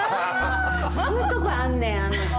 そういうとこあんねんあの人。